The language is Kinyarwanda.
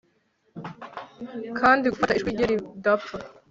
Kandi gufata ijwi rye ridapfa